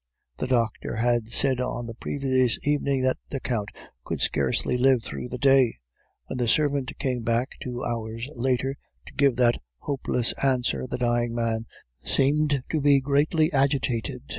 "The doctor had said on the previous evening that the Count could scarcely live through the day. When the servant came back two hours later to give that hopeless answer, the dying man seemed to be greatly agitated.